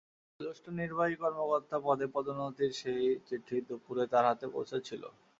জ্যেষ্ঠ নির্বাহী কর্মকর্তা পদে পদোন্নতির সেই চিঠি দুপুরে তাঁর হাতে পৌঁছেছিল।